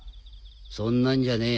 そんなんじゃねえ。